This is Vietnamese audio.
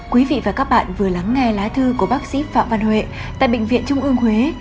quý vị và các bạn vừa lắng nghe lá thư của bác sĩ phạm văn huệ tại bệnh viện trung ương huế